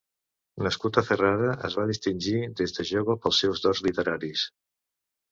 Nascut a Ferrara, es va distingir des de jove pels seus dots literaris.